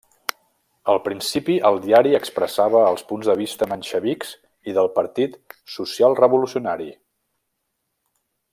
Al principi el diari expressava els punts de vista menxevics i del Partit Social-Revolucionari.